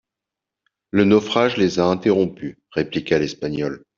Le naufrage les a interrompues, répliqua l'Espagnole.